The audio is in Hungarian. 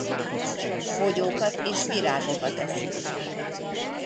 Bogyókat és virágokat eszik.